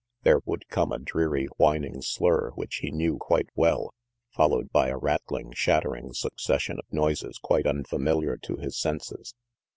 There would come a dreary, whining slur which he knew quite well, followed by a rattling, shattering suc cession of noises quite unfamiliar to his senses.